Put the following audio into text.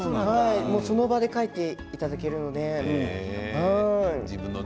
その場で書いていただけるので。